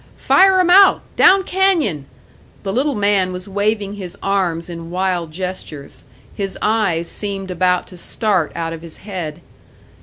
"Fire 'em out! Down canyon!" The little man was waving his arms in wild gestures; his eyes seemed about to start out of his head.